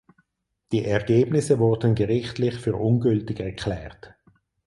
Die Ergebnisse wurden gerichtlich für ungültig erklärt.